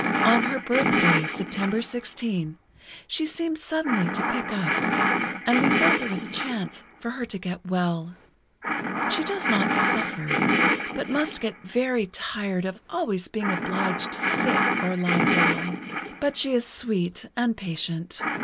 On her birthday, September 16, she seemed suddenly to pick up, and we felt there was a chance for her to get well. "She does not suffer, but must get very tired of always being obliged to sit, or lie down. But she is sweet and patient.